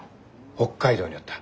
北海道におった。